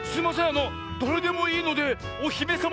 あのだれでもいいのでおひめさま